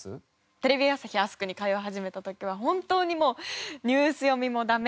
テレビ朝日アスクに通い始めた時は本当にもうニュース読みもダメ。